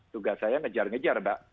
tugas saya ngejar ngejar mbak